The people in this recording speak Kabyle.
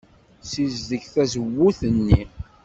Ssizdeg tazewwut-nni.